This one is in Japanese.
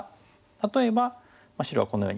例えば白がこのようにきて。